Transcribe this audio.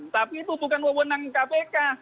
tapi itu bukan wewenang kpk